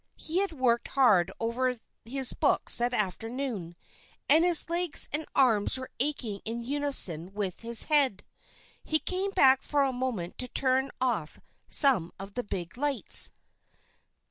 He had worked hard over his books that afternoon, and his legs and arms were aching in unison with his head. He came back for a moment to turn off some of the big lights.